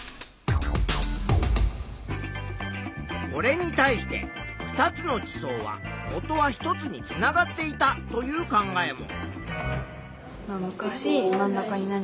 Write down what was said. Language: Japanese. これに対して２つの地層はもとは１つにつながっていたという考えも。